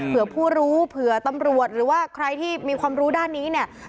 ผู้รู้เผื่อตำรวจหรือว่าใครที่มีความรู้ด้านนี้เนี่ย